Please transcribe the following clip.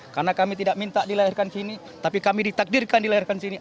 karena kami tidak minta dilahirkan sini tapi kami ditakdirkan dilahirkan sini